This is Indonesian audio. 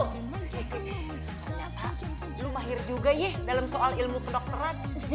ternyata lu mahir juga ye dalam soal ilmu pendokteran